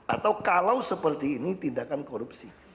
atau kalau seperti ini tindakan korupsi